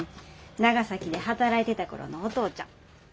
長崎で働いてた頃のお父ちゃん。